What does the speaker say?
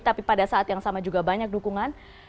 tapi pada saat yang sama juga banyak dukungan